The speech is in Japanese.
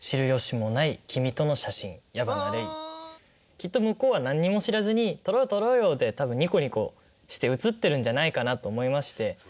きっと向こうは何にも知らずに「撮ろうよ撮ろうよ！」で多分ニコニコして写ってるんじゃないかなと思いまして。